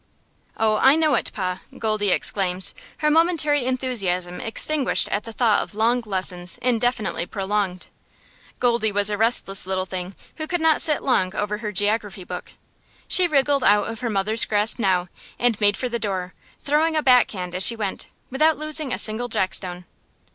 "Oh, I know it, pa!" Goldie exclaims, her momentary enthusiasm extinguished at the thought of long lessons indefinitely prolonged. Goldie was a restless little thing who could not sit long over her geography book. She wriggled out of her mother's grasp now, and made for the door, throwing a "back hand" as she went, without losing a single jackstone.